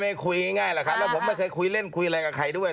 ไม่คุยง่ายหรอกครับแล้วผมไม่เคยคุยเล่นคุยอะไรกับใครด้วย